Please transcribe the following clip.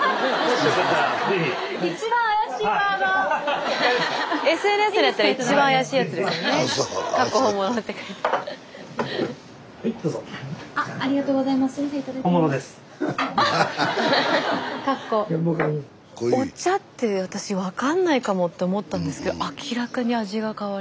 スタジオお茶って私分かんないかもって思ったんですけど明らかに味が変わりました。